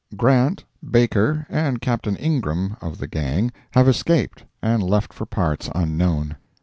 Grant, Baker, and Captain Ingram, of the gang, have escaped, and left for parts unknown.